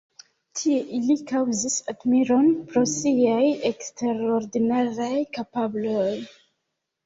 Tie, ili kaŭzis admiron pro siaj eksterordinaraj kapabloj.